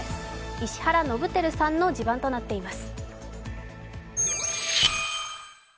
石原伸晃さんの地盤となっています。